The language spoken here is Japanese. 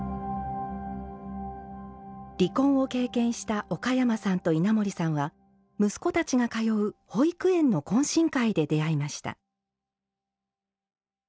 離婚を経験した岡山さんと稲森さんは息子たちが通う保育園の懇親会で出会いました。